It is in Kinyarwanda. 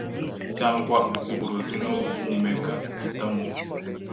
Cyangwa uburozi no guhumeka?hitamo